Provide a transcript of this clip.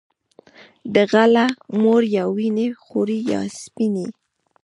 د غله مور يا وينې خورې يا سپينې